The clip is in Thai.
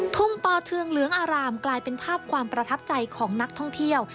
ทุ่มปอเทืองเหลืองอารามกลายเป็นภาพความประทับใจของนักท่องเที่ยว